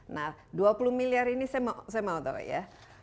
nah dua puluh miliar ini saya mau tahu ya